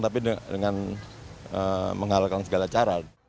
tapi juga mengalahkan segala cara